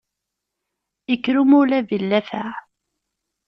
Ikker umulab i llafaɛ.